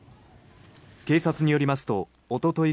警察によりますとおととい